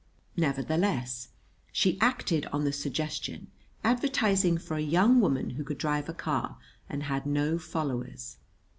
Nevertheless, she acted on the suggestion, advertising for a young woman who could drive a car and had no followers.